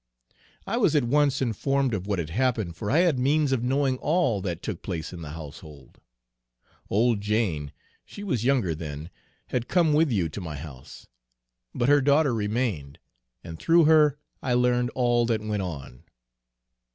"I was at once informed of what had happened, for I had means of knowing all that took place in the household. Old Jane she was younger then had come with you to my house; but her daughter remained, and through her I learned all that went on.